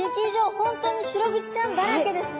本当にシログチちゃんだらけですね。